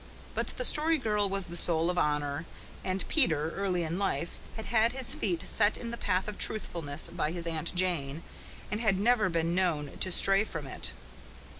But the Story Girl was the soul of honour; and Peter, early in life, had had his feet set in the path of truthfulness by his Aunt Jane and had never been known to stray from it.